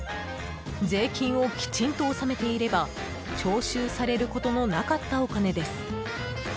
税金をきちんと納めていれば徴収されることのなかったお金です。